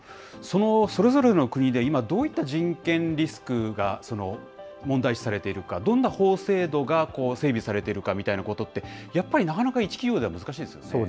それぞれの国で今、どういった人権リスクが問題視されているか、どんな法制度が整備されているかみたいなことって、やっぱりなかそうですよね。